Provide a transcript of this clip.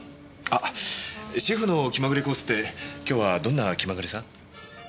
あっ「シェフの気まぐれコース」って今日はどんな気まぐれさん？